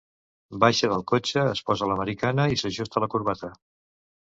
Baixa del cotxe, es posa l'americana i s'ajusta la corbata.